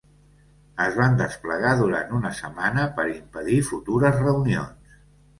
Es van desplegar durant una setmana, per impedir futures reunions.